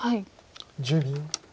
１０秒。